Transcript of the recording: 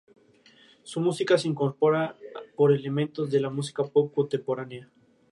Su música incorpora elementos de la música "pop" contemporánea.